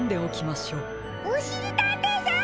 おしりたんていさん！